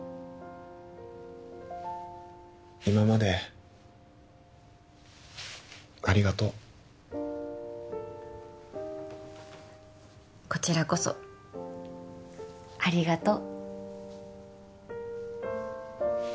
今までありがとうこちらこそありがとう